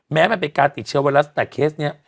มันเป็นการติดเชื้อไวรัสแต่เคสนี้